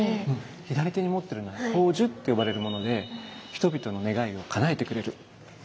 左手に持ってるのは「宝珠」って呼ばれるもので人々の願いをかなえてくれる。